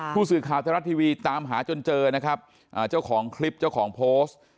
ผู้สื่อข่าวไทยรัฐทีวีตามหาจนเจอนะครับเจ้าของคลิปเจ้าของโพสต์